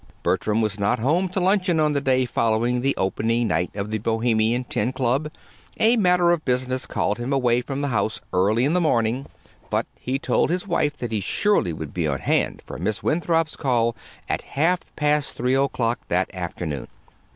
Bertram was not home to luncheon on the day following the opening night of the Bohemian Ten Club. A matter of business called him away from the house early in the morning; but he told his wife that he surely would be on hand for Miss Winthrop's call at half past three o'clock that afternoon.